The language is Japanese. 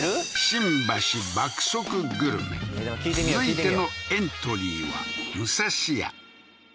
新橋爆速グルメ続いてのエントリーはムサシヤ